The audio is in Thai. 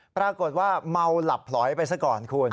ปรากฏว่าเมาหลับพลอยไปซะก่อนคุณ